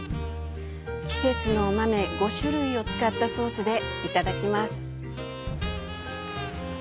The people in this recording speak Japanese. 季節のお豆５種類を使ったソースでいただきます。